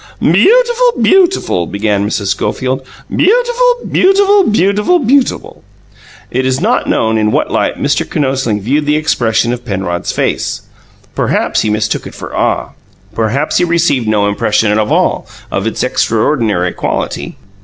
"Beautiful, beautiful," began Mrs. Schofield. "Beautiful, beautiful, beautiful, beautiful " It is not known in what light Mr. Kinosling viewed the expression of Penrod's face. Perhaps he mistook it for awe; perhaps he received no impression at all of its extraordinary quality.